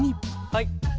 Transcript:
はい。